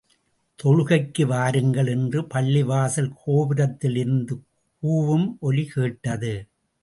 தொழுகைக்கு வாருங்கள் என்று பள்ளிவாசல் கோபுரத்திலிருந்து கூவும் ஒலி கேட்டது.